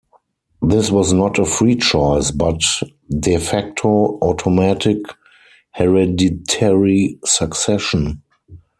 This was not a free choice, but "de facto" automatic hereditary succession.